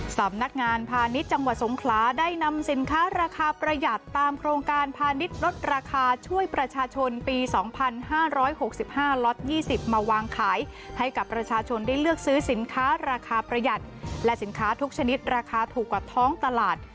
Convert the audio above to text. สำนักงานพาณิชย์จังหวัดสงขลาได้นำสินค้าราคาประหยัดตามโครงการพาณิชย์ลดราคาช่วยประชาชนปี๒๕๖๕ล็อต๒๐มาวางขายให้กับประชาชนได้เลือกซื้อสินค้าราคาประหยัดและสินค้าทุกชนิดราคาถูกกว่าท้องตลาด